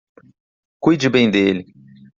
Cuide bem dele.